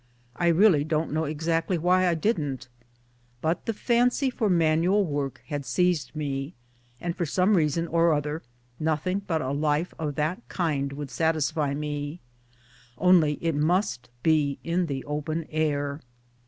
I really don't know exactly why I didn't. But the fancy for manual work had seized me, and for some reason or other, nothing but a life of that kind would satisfy me only it must be in the open air.